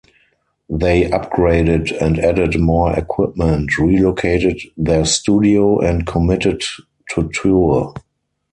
They upgraded and added more equipment, relocated their studio, and committed to tour.